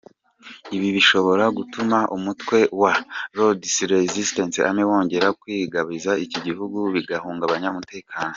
Ibi bishobora gutuma umutwe wa Lord’s Resistance Army wongera kwigabiza iki gihugu bigahungabanya umutekano.